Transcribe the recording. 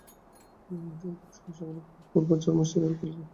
আমার মতে এইরূপ সমস্যাগুলি কেবল পূর্বজন্ম স্বীকার করিলেই ব্যাখ্যা করা যাইতে পারে।